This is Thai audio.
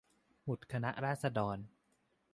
หมุดคณะราษฎร